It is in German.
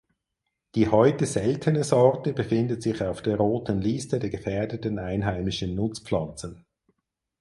Die heute seltene Sorte befindet sich auf der Roten Liste der gefährdeten einheimischen Nutzpflanzen.